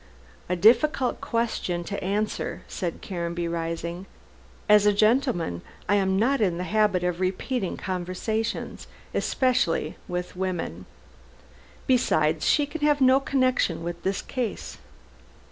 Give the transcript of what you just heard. "A difficult question to answer," said Caranby, rising, "as a gentleman, I am not in the habit of repeating conversations, especially with women. Besides, she can have no connection with this case."